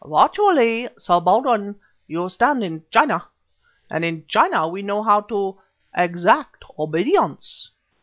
Virtually, Sir Baldwin, you stand in China; and in China we know how to exact obedience.